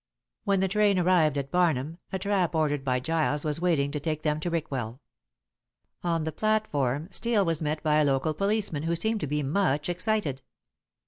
When the train arrived at Barnham, a trap ordered by Giles was waiting to take them to Rickwell. On the platform Steel was met by a local policeman who seemed to be much excited.